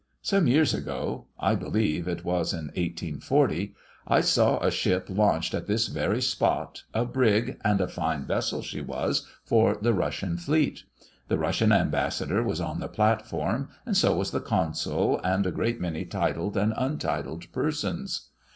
Some years ago, I believe it was in 1840, I saw a ship launched at this very spot, a brig, and a fine vessel she was, for the Russian fleet. The Russian Ambassador was on the platform, and so was the Consul, and a great many titled and untitled persons.